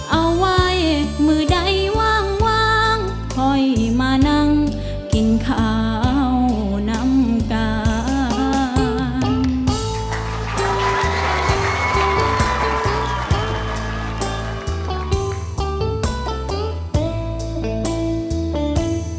เอาไว้มือใดวางค่อยมานั่งกินข้าวนำกาง